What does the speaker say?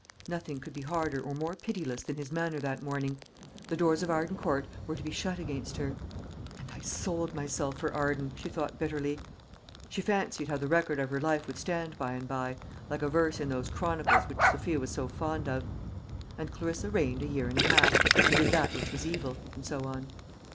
Nothing could be harder or more pitiless than his manner that morning. The doors of Arden Court were to be shut against her. "And I sold myself for Arden!" she thought bitterly. She fancied how the record of her life would stand by and by, like a verse in those Chronicles which Sophia was so fond of: "And Clarissa reigned a year and a half, and did that which was evil" and so on.